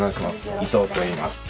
伊藤といいます。